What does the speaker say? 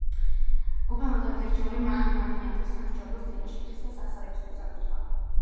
უფალმა თავისი რჩეული მაჰმადიანთა სამსჯავროს წინაშე ქრისტეს აღსარებისათვის აკურთხა.